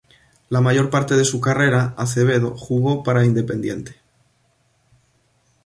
La mayor parte de su carrera Acevedo jugó para Independiente.